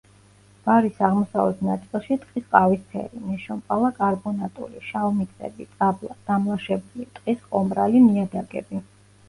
ბარის აღმოსავლეთ ნაწილში ტყის ყავისფერი, ნეშომპალა-კარბონატული, შავმიწები, წაბლა, დამლაშებული, ტყის ყომრალი ნიადაგები.